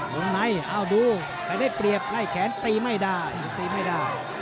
ลงไหนอ้าวดูใครได้เปรียบใครได้แขนตีไม่ได้อีกตีไม่ได้